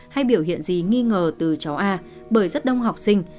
hay biểu hiện gì nghi ngờ từ chó a bởi rất đông học sinh